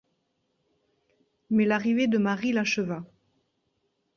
Mais l'arrivée de Marie l'acheva.